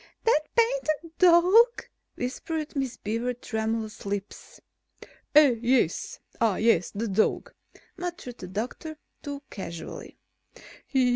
"That painted dog?" whispered Miss Beaver's tremulous lips. "Eh? Yes. Ah, yes, the dog," murmured the doctor, too casually.